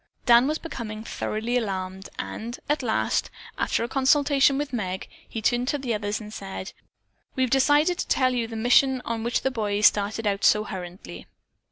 Dan was becoming thoroughly alarmed and, at last, after a consultation with Meg, he turned to the others and said: "We have decided to tell you the mission on which the boys started out so hurriedly."